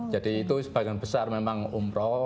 jadi itu sebagian besar memang umroh